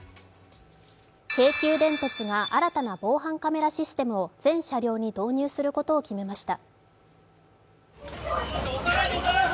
京急電鉄が新たな防犯カメラシステムを全車両に導入することを決めました。